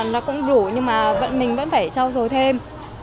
nó cũng đủ nhưng mà mình vẫn phải trao dồi thêm